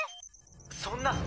そんな！